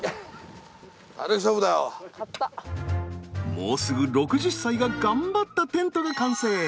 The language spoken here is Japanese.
もうすぐ６０歳が頑張ったテントが完成。